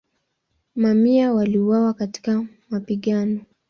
Mamia waliuawa katika mapigano.